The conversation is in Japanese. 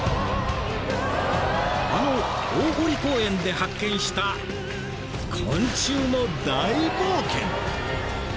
あの大濠公園で発見した昆虫の大冒険！！